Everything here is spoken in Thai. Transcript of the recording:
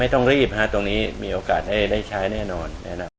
ไม่ต้องรีบฮะตรงนี้มีโอกาสได้ใช้แน่นอน